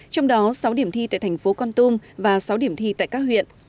trong đó sáu điểm thi tại thành phố con tum và sáu điểm thi tại các huyện